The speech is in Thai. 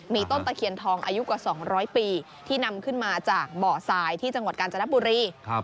มีต้นตะเคียนทองอายุกว่า๒๐๐ปีที่นำขึ้นมาจากเบาะทรายที่จังหวัดกาญจนบุรี